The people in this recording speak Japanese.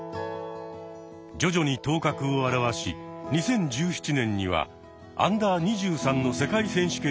徐々に頭角を現し２０１７年にはＵ２３の世界選手権に出場。